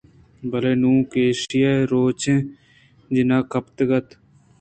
بلے نُوں کہ ایشی ءَ روٛچیں جَن ئے گپتگ